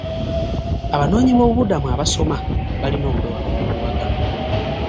Abanoonyiboobubudamu abasoma balina okwewala obukuubagano.